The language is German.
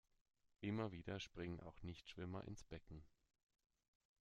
Immer wieder springen auch Nichtschwimmer ins Becken.